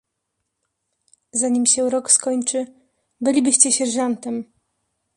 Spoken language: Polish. "Zanim się rok skończy, bylibyście sierżantem."